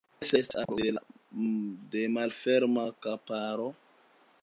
Ties habitato estas arbaro proksime de malferma kamparo.